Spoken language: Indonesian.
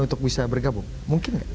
untuk bisa bergabung mungkin